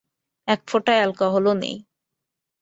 এক ফোঁটা অ্যালকোহলও নেই!